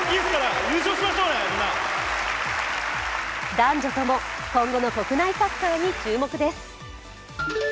男女とも、今後の国内サッカーに注目です。